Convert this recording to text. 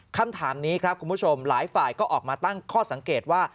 คำถามนี้ครับคุณผู้ชมหลายฝ่ายก็ออกมาตั้งข้อสังเกตว่า